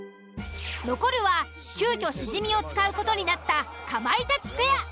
残るは急遽シジミを使う事になったかまいたちペア。